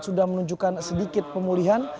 sudah menunjukkan sedikit pemulihan